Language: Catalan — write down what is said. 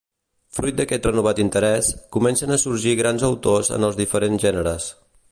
Fruit d'aquest renovat interès, comencen a sorgir grans autors en els diferents gèneres.